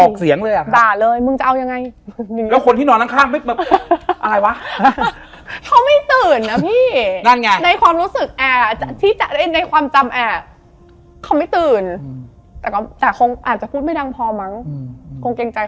คนไป๑๐กว่าคนเนอะมีรถตู้๒สำคัญแล้ว